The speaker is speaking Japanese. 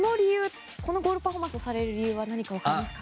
このゴールパフォーマンスをされる理由、分かりますか？